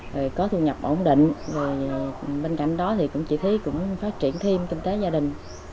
rồi có thu nhập ổn định bên cạnh đó thì chị thúy cũng phát triển thêm kinh tế gia đình